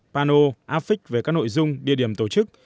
pano affix về các nội dung địa điểm tổ chức